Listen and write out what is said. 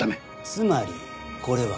つまりこれは告発？